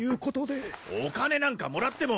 お金なんかもらっても。